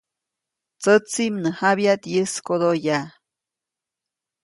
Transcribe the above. Tsätsi, mnäjabyaʼt yäskodoyaʼ.